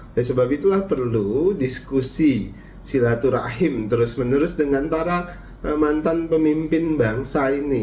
dan sebab itulah perlu diskusi silaturahim terus menerus dengan para mantan pemimpin bangsa ini